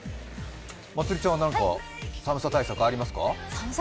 まつりちゃんは何か寒さ対策、ありますか？